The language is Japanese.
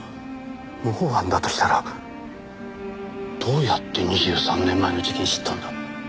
模倣犯だとしたらどうやって２３年前の事件知ったんだ？